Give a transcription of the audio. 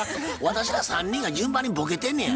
私ら３人が順番にボケてんねや。